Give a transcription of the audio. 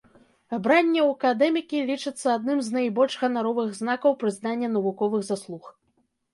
Абранне ў акадэмікі лічыцца адным з найбольш ганаровых знакаў прызнання навуковых заслуг.